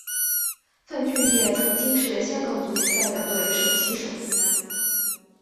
范俊业曾经是香港足球代表队首席守门员。